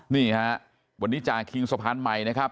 นี่ฮะวันนี้จาคิงสะพานใหม่นะครับ